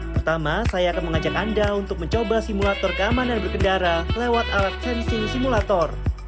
pertama saya akan mengajak anda untuk mencoba simulator keamanan berkendara lewat alat sensing simulator